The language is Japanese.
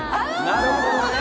なるほどね。